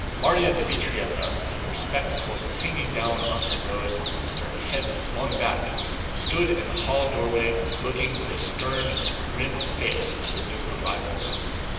Márya Dmítrievna, with her spectacles hanging down on her nose and her head flung back, stood in the hall doorway looking with a stern, grim face at the new arrivals.